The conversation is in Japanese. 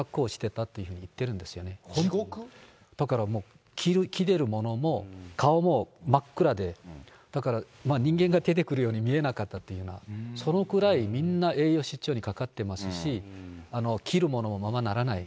だからもう、着てるものも顔も真っ暗で、だから人間が出てくるように見えなかったというような、そのくらいみんな栄養失調にかかってますし、着るものもままならない。